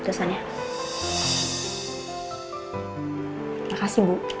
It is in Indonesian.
terima kasih bu